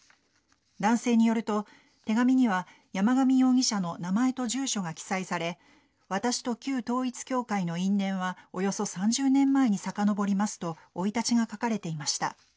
男性によると、手紙には山上容疑者の名前と住所が記載され私と旧統一教会の因縁はおよそ３０年前にさかのぼりますと生い立ちが書かれていました。